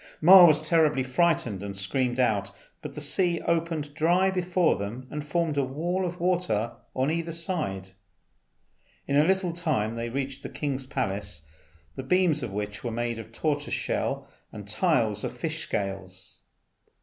Ma was terribly frightened and screamed out; but the sea opened dry before them and formed a wall of water on either side. In a little time they reached the king's palace, the beams of which were made of tortoise shell and the tiles of fishes' scales.